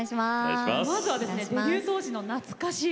まずは、デビュー当時の懐かしく